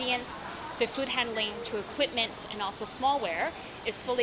dari pengurusan makanan ke pengurusan makanan ke peralatan dan juga peralatan kecil